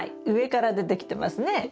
上から出てきてますね。